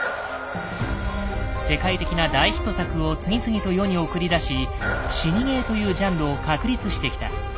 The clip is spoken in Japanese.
世界的な大ヒット作を次々と世に送り出し「死にゲー」というジャンルを確立してきた。